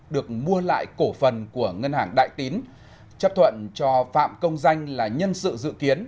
được mua lại cổ phần của ngân hàng đại tín chấp thuận cho phạm công danh là nhân sự dự kiến